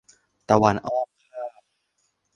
ตะวันอ้อมข้าว